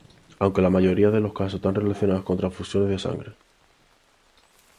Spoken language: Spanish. Aunque la mayoría de los casos están relacionados con transfusiones de sangre.